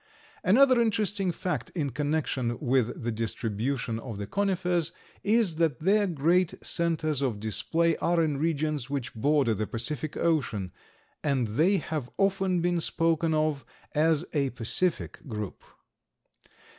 Another interesting fact in connection with the distribution of the Conifers is that their great centers of display are in regions which border the Pacific Ocean, and they have often been spoken of as a Pacific group.